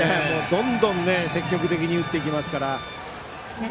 どんどん積極的に打っていっていますから。